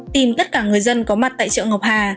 tìm tất cả người dân có mặt tại chợ ngọc hà